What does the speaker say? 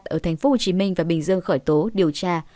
ở tp hcm và bình dương khởi tố điều tra